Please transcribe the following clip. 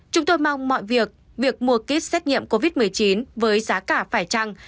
chúng tôi mong mọi việc việc mua kit xét nghiệm covid một mươi chín với giá cả phải trăng